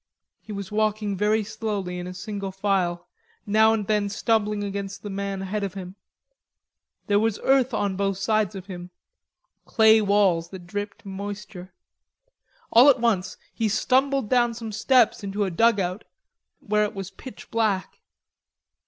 He was walking very slowly in a single file, now and then stumbling against the man ahead of him. There was earth on both sides of him, clay walls that dripped moisture. All at once he stumbled down some steps into a dugout, where it was pitch black.